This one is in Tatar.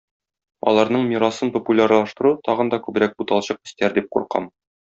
Аларның мирасын популярлаштыру тагын да күбрәк буталчык өстәр дип куркам.